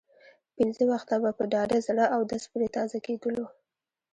پنځه وخته به په ډاډه زړه اودس پرې تازه کېدلو.